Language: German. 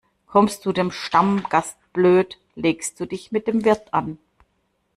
Kommst du dem Stammgast blöd, legst du dich mit dem Wirt an.